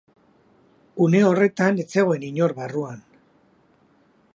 Une horretan, ez zegoen inor barruan.